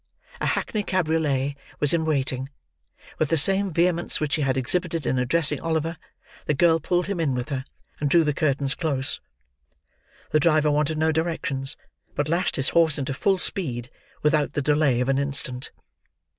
A hackney cabriolet was in waiting; with the same vehemence which she had exhibited in addressing Oliver, the girl pulled him in with her, and drew the curtains close. The driver wanted no directions, but lashed his horse into full speed, without the delay of an instant.